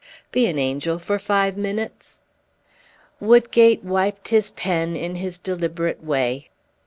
Be an angel, for five minutes!" Woodgate wiped his pen in his deliberate way.